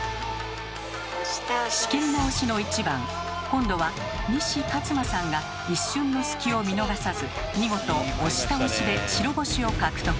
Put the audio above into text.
今度は西克磨さんが一瞬の隙を見逃さず見事「押し倒し」で白星を獲得。